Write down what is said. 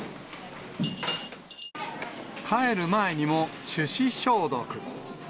帰る前にも手指消毒。